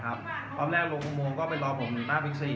แต่ว่าเมืองนี้ก็ไม่เหมือนกับเมืองอื่น